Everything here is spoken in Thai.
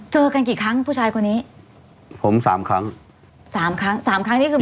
เจอกันกี่ครั้งผู้ชายคนนี้ผมสามครั้งสามครั้งสามครั้งนี้คือ